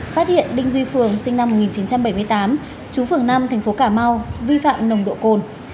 phát hiện đinh duy phường sinh năm một nghìn chín trăm bảy mươi tám chú phường năm thành phố cà mau vi phạm nồng độ cồn